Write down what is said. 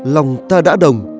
lòng ta đã đồng